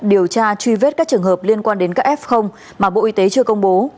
điều tra truy vết các trường hợp liên quan đến các f mà bộ y tế chưa công bố